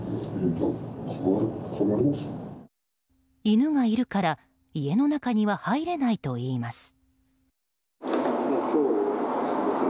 犬がいるから家の中には入れないといいます。